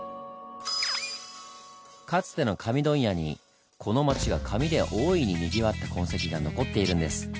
かつての紙問屋にこの町が紙で大いににぎわった痕跡が残っているんです。